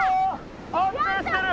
安定してる！